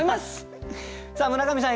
さあ村上さん